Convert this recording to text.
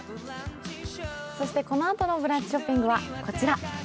そして、このあとの「ブランチショッピング」はこちら。